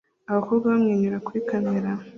Abakobwa bamwenyura kuri kamera